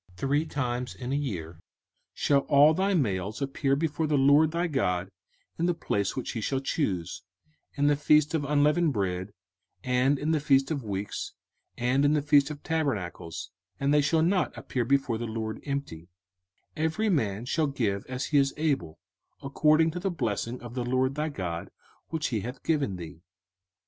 05:016:016 Three times in a year shall all thy males appear before the LORD thy God in the place which he shall choose; in the feast of unleavened bread, and in the feast of weeks, and in the feast of tabernacles: and they shall not appear before the LORD empty: 05:016:017 Every man shall give as he is able, according to the blessing of the LORD thy God which he hath given thee.